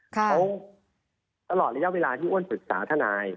เขาตลอดระยะเวลาที่อ้วนปรึกษาทนาย